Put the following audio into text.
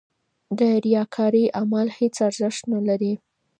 د ریاکارۍ عمل هېڅ ارزښت نه لري.